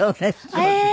そうです。